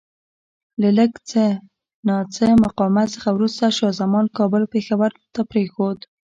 له لږ څه ناڅه مقاومت څخه وروسته شاه زمان کابل پېښور ته پرېښود.